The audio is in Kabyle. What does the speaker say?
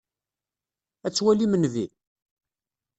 Ad twalim nnbi?